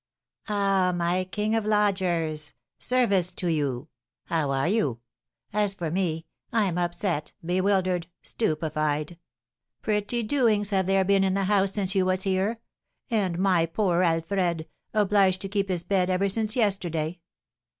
"Ah, my king of lodgers! Service to you! How are you? As for me, I'm upset bewildered stupefied. Pretty doings have there been in the house since you was here. And my poor Alfred, obliged to keep his bed ever since yesterday!"